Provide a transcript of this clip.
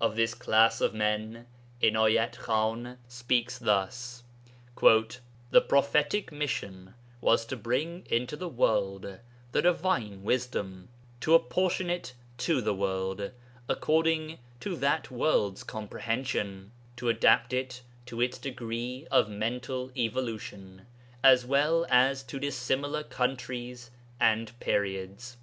Of this class of men Inayat Khan speaks thus, 'The prophetic mission was to bring into the world the Divine Wisdom, to apportion it to the world according to that world's comprehension, to adapt it to its degree of mental evolution as well as to dissimilar countries and periods.